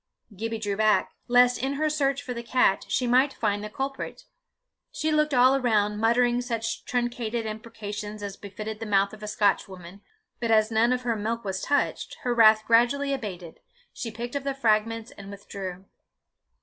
Gibbie drew back, lest in her search for the cat she might find the culprit. She looked all round, muttering such truncated imprecations as befitted the mouth of a Scotchwoman; but as none of her milk was touched, her wrath gradually abated: she picked up the fragments and withdrew.